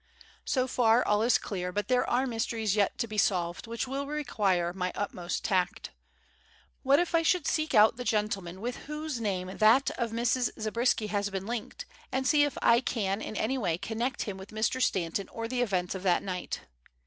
So far, all is clear, but there are mysteries yet to be solved, which will require my utmost tact. What if I should seek out the gentleman with whose name that of Mrs. Zabriskie has been linked, and see if I can in any way connect him with Mr. Stanton or the events of that night.